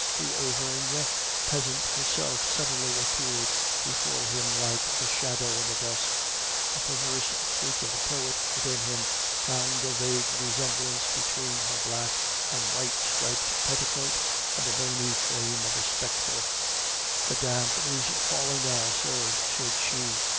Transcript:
The Auvergne peasant herself suddenly appeared before him like a shadow in the dusk; a perverse freak of the poet within him found a vague resemblance between her black and white striped petticoat and the bony frame of a spectre. "The damp is falling now, sir," said she.